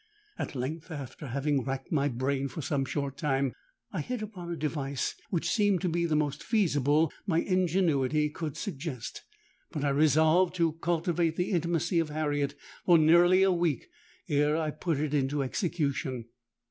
At length, after having racked my brain for some short time, I hit upon a device which seemed to be the most feasible my ingenuity could suggest; but I resolved to cultivate the intimacy of Harriet for nearly a week ere I put it into execution.